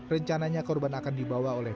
rencananya korban akan dibawa oleh